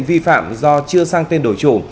vi phạm do chưa sang tên đổi chủ